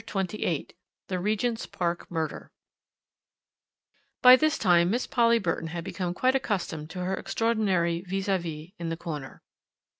CHAPTER XXVIII THE REGENT'S PARK MURDER By this time Miss Polly Burton had become quite accustomed to her extraordinary vis à vis in the corner.